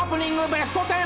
ベスト１０。